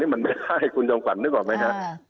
มันไม่ได้คุณจอมขวัญนึกออกไหมครับ